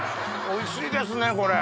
おいしいですねこれ。